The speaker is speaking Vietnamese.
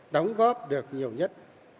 đóng góp được nhiều nhất